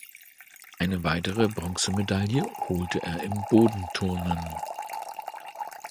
Eine weitere Bronzemedaille holte er im Bodenturnen.